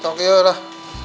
cok yuk dah